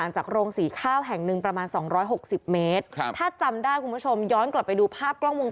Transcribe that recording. ใช่ครับเขาควรรักแม่เขามากครับ